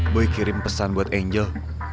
boy kirim pesan buat angel